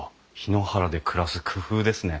檜原で暮らす工夫ですね。